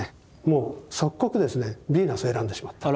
もう即刻ですねヴィーナスを選んでしまった。